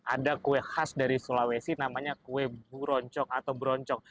ada kue khas dari sulawesi namanya kue buroncok atau broncok